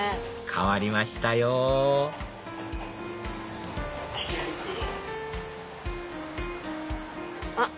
変わりましたよあっ